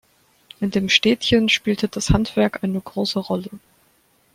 In dem Städtchen spielte das Handwerk eine große Rolle.